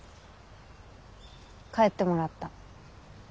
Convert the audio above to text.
帰ってもらった。